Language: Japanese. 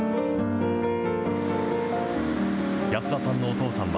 安田さんのお父さんは、